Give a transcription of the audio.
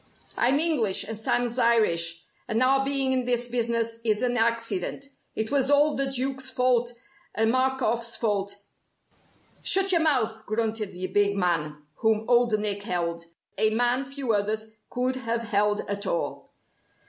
I'm English, and Sam's Irish, and our being in this business is an accident. It was all the Duke's fault and Markoff's fault " "Shut your mouth," grunted the big man whom Old Nick held a man few others could have held at all.